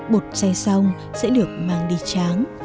bột xay xong sẽ được mang đi tráng